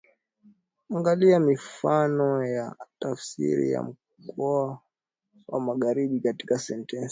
Angalia mifano ya tafsiri ya Mkoa wa Magharibi katika sentensi